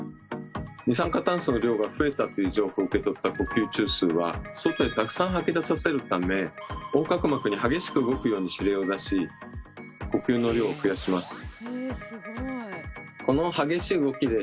「二酸化炭素の量が増えた」という情報を受け取った呼吸中枢は外へたくさん吐き出させるため横隔膜に激しく動くように指令を出し呼吸の量を増やします。